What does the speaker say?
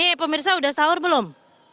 nih pemirsa udah sahur belum